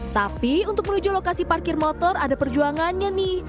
tapi untuk menuju lokasi parkir motor ada perjuangannya nih